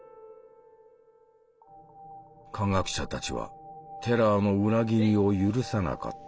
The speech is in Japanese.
科学者たちはテラーの裏切りを許さなかった。